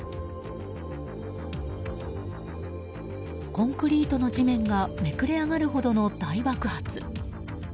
コンクリートの地面がめくれ上がるほどの大爆発。